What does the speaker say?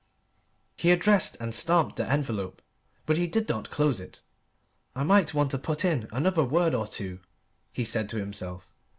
He addressed and stamped the envelope; but he did not close it. "I might want to put in another word or two," he said to himself.